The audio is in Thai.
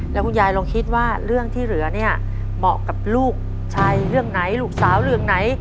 แล้วคุณยายลองคิดว่าเรื่องที่เหลือเนี่ยเหมาะกับลูกชายเรื่องไหนลูกสาวเรื่องไหน